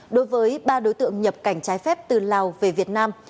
đối với ba đối tượng nhập cảnh trái phép từ lào về việt nam